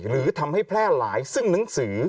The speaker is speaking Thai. หรือทำให้แพร่หลายซึ่งหนังสือ